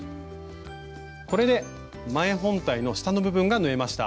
これで前本体の下の部分が縫えました。